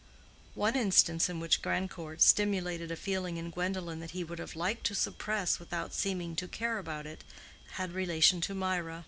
One instance in which Grandcourt stimulated a feeling in Gwendolen that he would have liked to suppress without seeming to care about it, had relation to Mirah.